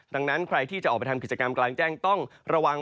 ดังนั้นใครที่จะออกไปทำกิจกรรมกลางแจ้งต้องระวัง